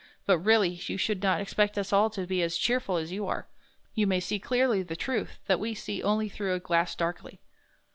But, really, you should not expect us all to be as cheerful as you are. You may see clearly the Truth that we see only through a glass darkly."